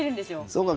そうか。